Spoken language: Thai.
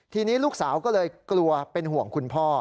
ทีนี้ลูกสาวก็เลยกลัวเป็นห่วงคุณพ่อ